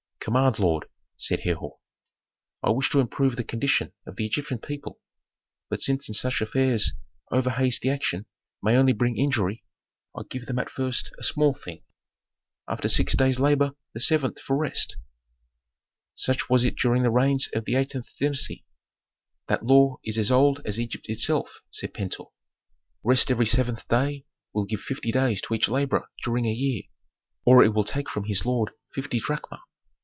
"Command, lord," said Herhor. "I wish to improve the condition of the Egyptian people. But since in such affairs over hasty action may only bring injury, I give them at first a small thing: After six days' labor the seventh for rest." "Such was it during the reigns of the eighteenth dynasty. That law is as old as Egypt itself," said Pentuer. "Rest every seventh day will give fifty days to each laborer during a year, or it will take from his lord fifty drachma.